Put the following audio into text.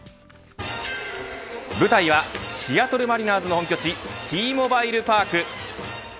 舞台はシアトルマリナーズの本拠地Ｔ‐モバイルパーク。